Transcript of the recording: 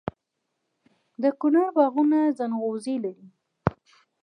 د کونړ باغونه ځنغوزي لري.